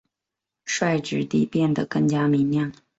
率直地变得更加明亮！